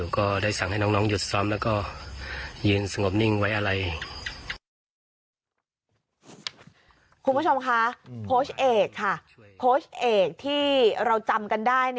โคชเอกที่เราจำกันได้